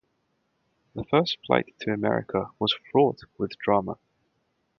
The first flight to America was fraught with drama.